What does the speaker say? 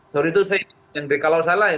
soal itu saya ingin beri kalau salah